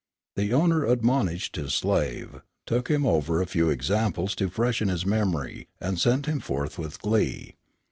The owner admonished his slave, took him over a few examples to freshen his memory, and sent him forth with glee.